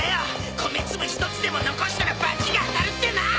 米粒１つでも残したらバチが当たるってな！